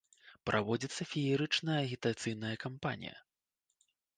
Праводзіцца феерычная агітацыйная кампанія.